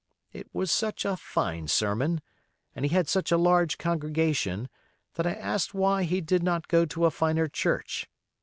It was such a fine sermon, and he had such a large congregation, that I asked why he did not go to a finer church.